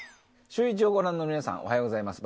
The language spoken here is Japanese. シューイチをご覧の皆さん、おはようございます。